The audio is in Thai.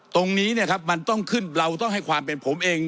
ตรงนี้เนี่ยครับมันต้องขึ้นเราต้องให้ความเป็นผมเอง